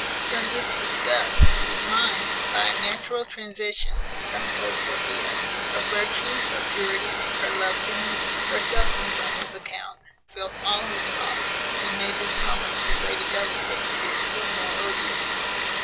From this disgust, his mind, by a natural transition, turned towards Sophia; her virtue, her purity, her love to him, her sufferings on his account, filled all his thoughts, and made his commerce with Lady Bellaston appear still more odious.